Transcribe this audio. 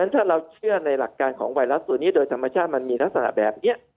ถ้าเราเชื่อในหลักการของไวรัสตัวนี้โดยธรรมชาติมันมีลักษณะแบบนี้